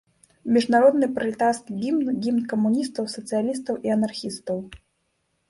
Міжнародны пралетарскі гімн, гімн камуністаў, сацыялістаў і анархістаў.